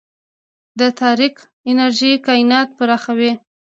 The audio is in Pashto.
د تاریک انرژي کائنات پراخوي.